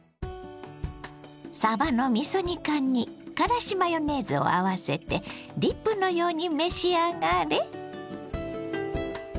さばのみそ煮缶にからしマヨネーズを合わせてディップのように召し上がれ。